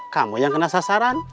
kamu yang kena sasaran